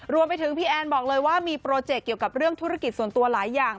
รวมไปถึงพี่แอนบอกเลยว่ามีโปรเจกต์เกี่ยวกับเรื่องธุรกิจส่วนตัวหลายอย่าง